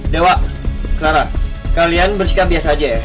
dewa clara kalian bersikap biasa aja ya